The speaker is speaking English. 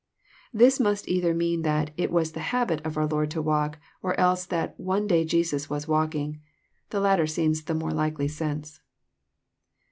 '] This must either mean that "it was the habit" of our Lord to walk, or else that "one day Jesus was walking." The latter seems the more likely sense.